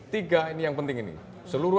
tiga ini yang penting ini seluruh